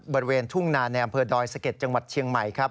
บริเวณทุ่งนาในอำเภอดอยสะเก็ดจังหวัดเชียงใหม่ครับ